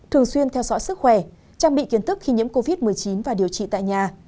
thường xuyên theo dõi sức khỏe trang bị kiến thức khi nhiễm covid một mươi chín và điều trị tại nhà